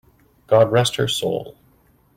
God rest her soul!